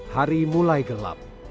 hari mulai gelap